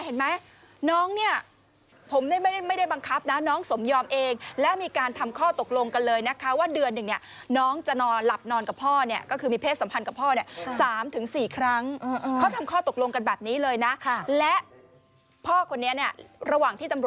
เสียงของพ่อคุณนะครับบอกว่า